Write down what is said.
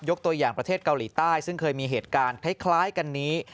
ตัวอย่างประเทศเกาหลีใต้ซึ่งเคยมีเหตุการณ์คล้ายกันนี้